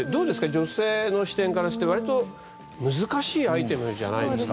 女性の視点からすると難しいアイテムじゃないですか？